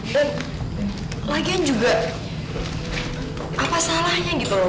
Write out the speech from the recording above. dan lagian juga apa salahnya gitu loh